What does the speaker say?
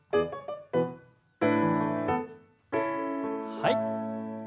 はい。